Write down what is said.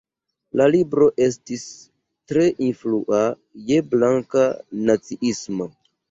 La libro estis tre influa je blanka naciismo.